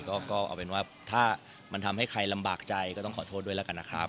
ก็เอาเป็นว่าถ้ามันทำให้ใครลำบากใจก็ต้องขอโทษด้วยแล้วกันนะครับ